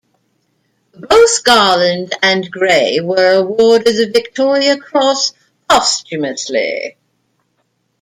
Both Garland and Gray were awarded the Victoria Cross posthumously.